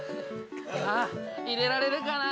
◆入れられるかな？